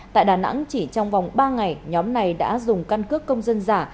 tại đà nẵng chỉ trong vòng ba ngày nhóm này đã dùng căn cước công dân giả